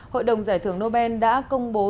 hội đồng giải thưởng nobel đã công bố